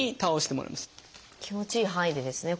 気持ちいい範囲でですね